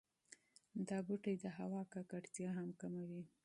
دا بوټي د هوا ککړتیا هم کموي.